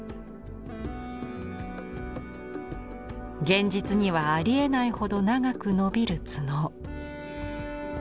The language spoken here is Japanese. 現実にはありえないほど長く伸びる角。